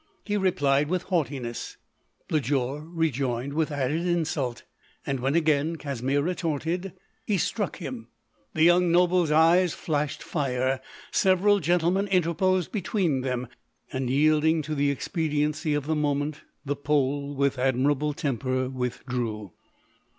He replied with haugh tiness ; Lodore rejoined with added insult ;— and when again Casimir retorted, he struck him. The young noble's eyes flashed fire: several gentlemen interposed between them ;— and yielding to the expediency of the moment, the Pole, with admirable temper, withdrew.